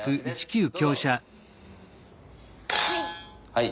はい。